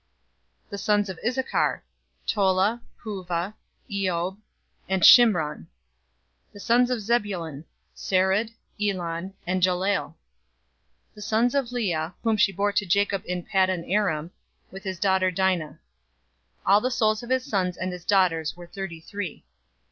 046:013 The sons of Issachar: Tola, Puvah, Iob, and Shimron. 046:014 The sons of Zebulun: Sered, Elon, and Jahleel. 046:015 These are the sons of Leah, whom she bore to Jacob in Paddan Aram, with his daughter Dinah. All the souls of his sons and his daughters were thirty three.